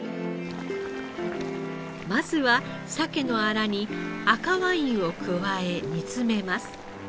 まずはサケのアラに赤ワインを加え煮詰めます。